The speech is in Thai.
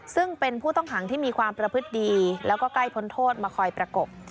ซึ่งเป็นผู้ต้องขังที่มีความประพฤติดีแล้วก็ใกล้พ้นโทษมาคอยประกบ